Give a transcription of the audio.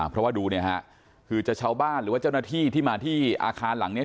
เพราะว่าดูเนี่ยฮะคือจะชาวบ้านหรือว่าเจ้าหน้าที่ที่มาที่อาคารหลังนี้